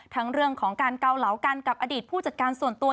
ทั้งเรื่องของการเกาเหลากันกับอดีตผู้จัดการส่วนตัว